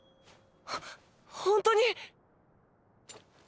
ほ本当に⁉